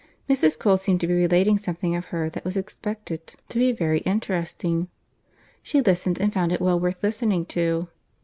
Mrs. Cole seemed to be relating something of her that was expected to be very interesting. She listened, and found it well worth listening to.